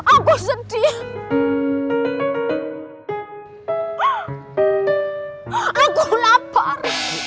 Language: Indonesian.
aku sedih aku lapar